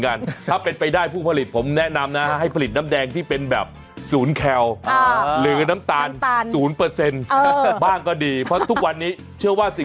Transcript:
น่าจะน้ำตาลขึ้นนะขสาวหวานน่าจะถามหา